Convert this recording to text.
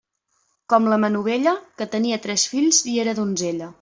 Com la Manovella, que tenia tres fills i era donzella.